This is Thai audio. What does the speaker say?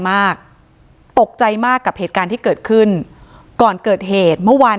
มากตกใจมากกับเหตุการณ์ที่เกิดขึ้นก่อนเกิดเหตุเมื่อวาน